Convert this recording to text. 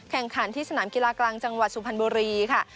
แข่งขันที่สนามกีฬากลางจังหวัดสุพรรณบุรีค่ะ